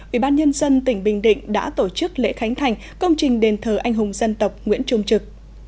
ubnd tỉnh bình định đã tổ chức lễ khánh thành công trình đền thờ anh hùng dân tộc nguyễn trung trực